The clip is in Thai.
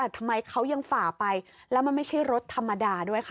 ทำไมเขายังฝ่าไปแล้วมันไม่ใช่รถธรรมดาด้วยค่ะ